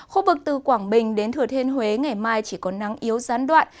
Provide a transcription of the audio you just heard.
khu vực từ quảng bình đến thừa thiên huế ngày mai chỉ có nắng yếu gián đoạn